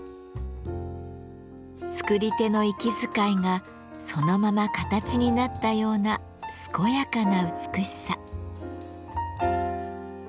作り手の息遣いがそのまま形になったような健やかな美しさ。